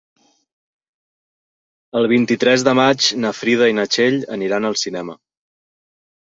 El vint-i-tres de maig na Frida i na Txell aniran al cinema.